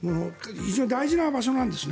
非常に大事場所なんですね。